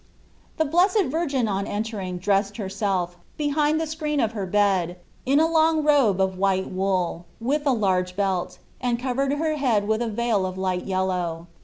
The Blessed Virgin on entering dressed herself, behind the screen of her bed, in a long robe of white wool, with a large belt, and covered her head with a veil of light yellow.